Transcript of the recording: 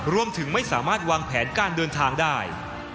รวมถึงไม่สามารถวางแผนการเดินทางได้